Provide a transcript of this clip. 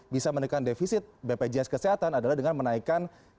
bisa menekan defisit bpjs kesehatan adalah dengan menaikkan